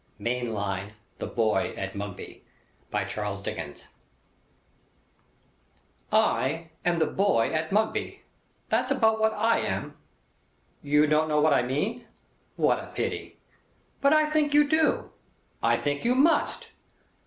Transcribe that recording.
MAIN LINE THE BOY AT MUGBY I am The Boy at Mugby. That's about what I am. You don't know what I mean? What a pity! But I think you do. I think you must.